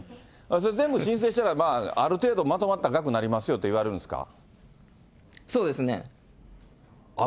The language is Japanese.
それ、全部申請したら、ある程度まとまった額になりますよと言われるんですか？